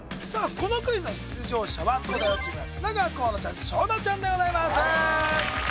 このクイズの出場者は東大王チームが砂川河野ちゃん勝田ちゃんでございます